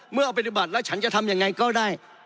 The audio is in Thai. เมื่อเอาปฏิบัติแล้วฉันจะทำยังไงก็ได้